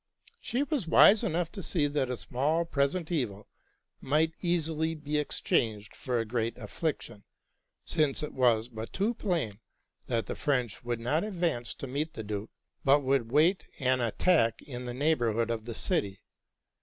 She was wise enough to see that a small present ev il might easily be exchanged for a great affliction ; since it was but too plain that the French would not advance to meet the duke, but would wait an attack i the neighborhood of the city.